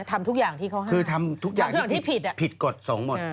ทำทุกอย่างที่เขาให้คือทำทุกอย่างที่ผิดผิดกฎสงฆ์หมด